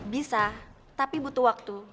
bisa tapi butuh waktu